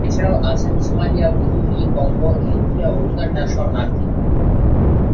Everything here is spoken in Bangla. এছাড়াও আছেন সোমালিয়া, বুরুন্ডি, কঙ্গো, ইরিত্রিয়া ও উগান্ডার শরণার্থী।